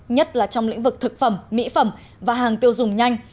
nhất là trong lĩnh vực thực phẩm mỹ phẩm và hàng tiêu dùng nhanh